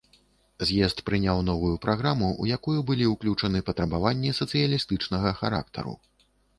З'езд прыняў новую праграму, у якую былі ўключаны патрабаванні сацыялістычнага характару.